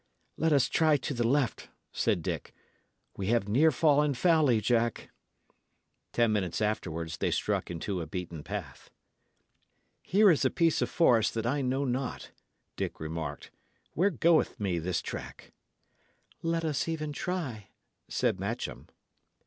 "Let us try to the left," said Dick. "We had near fallen foully, Jack." Ten minutes afterwards they struck into a beaten path. "Here is a piece of forest that I know not," Dick remarked. "Where goeth me this track?" "Let us even try," said Matcham.